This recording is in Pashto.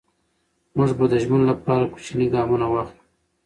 موږ به د ژمنو لپاره کوچني ګامونه واخلو.